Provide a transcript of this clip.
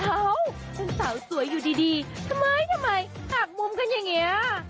เอ้าเป็นสาวสวยอยู่ดีทำไมทำไมหักมุมกันอย่างนี้